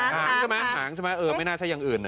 หางใช่ไหมหางใช่ไหมเออไม่น่าใช่อย่างอื่นนะ